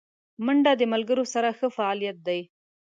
منډه د ملګرو سره ښه فعالیت دی